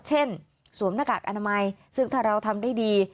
สวมหน้ากากอนามัยซึ่งถ้าเราทำได้ดี